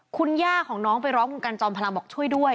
คุณย่าของน้องไปร้องคุณกันจอมพลังบอกช่วยด้วย